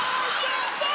やったー！